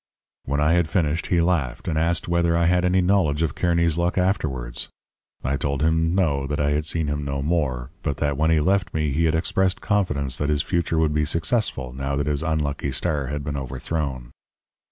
"When I had finished he laughed and asked whether I had any knowledge of Kearny's luck afterward. I told him no, that I had seen him no more; but that when he left me, he had expressed confidence that his future would be successful now that his unlucky star had been overthrown.